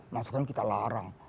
masukkan kita larang